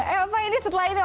eh apa ini setelah ini